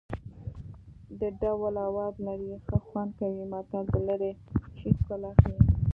د ډول آواز له لرې ښه خوند کوي متل د لرې شي ښکلا ښيي